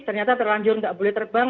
ternyata terlanjur tidak boleh terbang